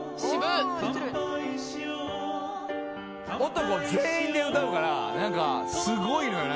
男全員で歌うからすごいのよ。